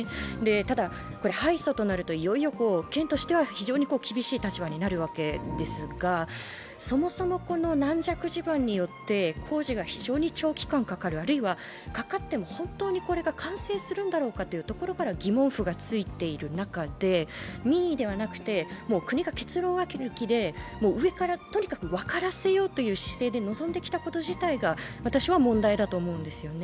ただ、これ敗訴となるといよいよ県としては非常に厳しい立場になるわけですがそもそも軟弱地盤によって工事が非常に長期間かかる、あるいはかかっても本当にこれが完成するんだろうかというところから疑問符が付いている中で、民意ではなくて国が結論ありきで上からとにかく分からせようという形が私は問題だと思うんですよね。